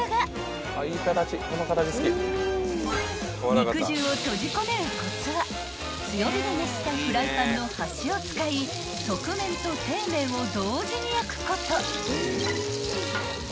［肉汁を閉じ込めるコツは強火で熱したフライパンの端を使い側面と底面を同時に焼くこと］